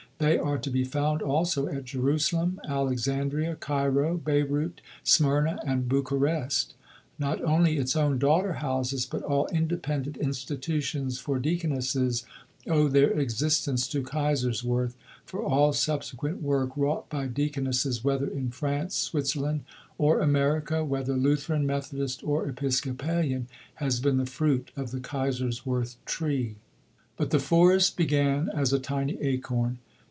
They are to be found also at Jerusalem, Alexandria, Cairo, Beirut, Smyrna, and Bucharest. "Not only its own daughter houses, but all independent institutions for deaconesses, owe their existence to Kaiserswerth, for all subsequent work wrought by deaconesses whether in France, Switzerland, or America, whether Lutheran, Methodist, or Episcopalian, has been the fruit of the Kaiserswerth tree." History of Nursing, vol. ii. p. 4. But the forest began as a tiny acorn.